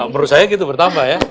menurut saya gitu bertambah ya